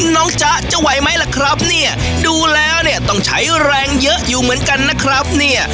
น้องจ๊ะจะไหวไหมล่ะครับเนี่ยดูแล้วเนี่ยต้องใช้แรงเยอะอยู่เหมือนกันนะครับเนี่ย